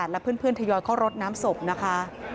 และเพื่อนทยอยเข้ารดน้ำศพนะคะ